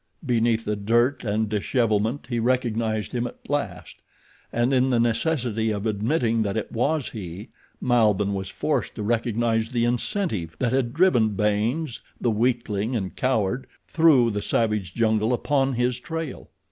Beneath the dirt and dishevelment he recognized him at last, and in the necessity of admitting that it was he, Malbihn was forced to recognize the incentive that had driven Baynes, the weakling and coward, through the savage jungle upon his trail.